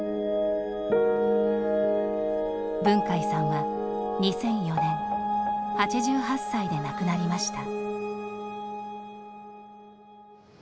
文海さんは２００４年８８歳で亡くなりました。